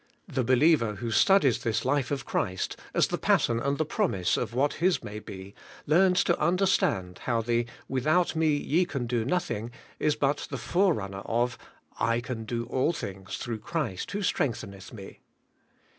The believer who studies this life of Christ as the pattern and the promise of what his may be, learns to under stand how the 'Without me ye can do nothing,' is but the forerunner of 'I can do all things through 174 ABIDE IN CHRIST: Christ who strengtheneth me.'